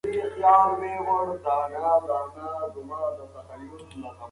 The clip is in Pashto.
دا کیسه تر اوسه په تاریخي کتابونو کې پاتې ده.